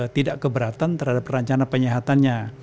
tidak keberatan terhadap rencana penyihatannya